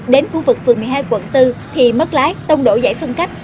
đến khu vực phường một mươi hai quận bốn thì mất lái tông đổ giải phân cách